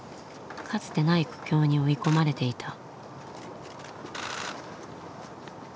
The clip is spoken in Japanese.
かつてない苦境に追い込まれていた。